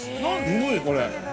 すごい、これ。